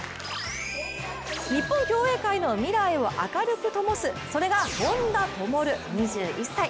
日本競泳界の未来を明るくともす、それが本多灯、２１歳。